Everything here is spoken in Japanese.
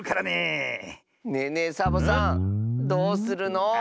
ねえねえサボさんどうするの？